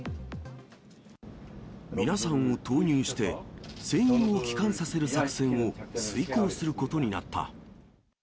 皆さんを投入して、戦友を帰還させる作戦を遂行することになった。